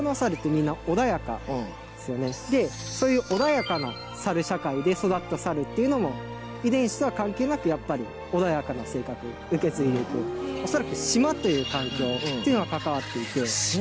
社会環境うんですよねでそういう穏やかなサル社会で育ったサルっていうのも遺伝子とは関係なくやっぱり穏やかな性格受け継いでいくおそらくっていうのが関わっていく島！